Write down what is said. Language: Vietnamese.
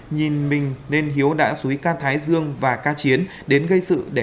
nhìn mình nên hiếu đã suýt ca thái dương và ca chiếu